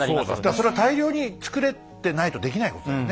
それは大量に作れてないとできないことだよね。